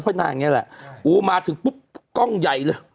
นางอย่างนี้แหละโอ้มาถึงปุ๊บกล้องใหญ่เลย